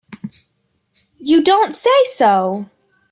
You don't say so!